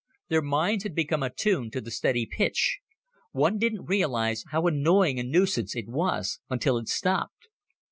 Their minds had become attuned to the steady pitch. One didn't realize how annoying a nuisance it was until it stopped.